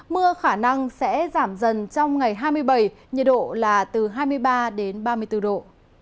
mưa khả năng sẽ giảm dần trong ngày hai mươi bảy nhiệt độ là từ hai mươi ba đến ba mươi bốn độ